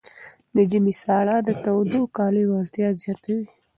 د ژمي ساړه د تودو کالیو اړتیا زیاتوي.